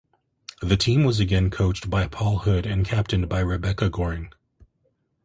The team was again coached by Paul Hood and captained by Rebecca Goring.